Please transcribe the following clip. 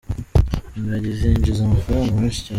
Ingagi zinjiza amafaranga menshi cyane.